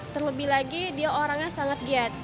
terlebih lagi dia orangnya sangat giat